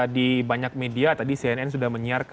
di banyak media tadi cnn sudah menyiarkan